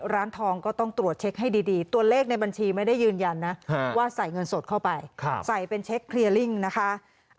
ร้านทองก็ต้องตรวจเช็คให้ดีตัวเลขในบัญชีไม่ได้ยืนยันนะว่าใส่เงินสดเข้าไปใส่เป็นเช็คเคลียร์ลิ่งนะคะ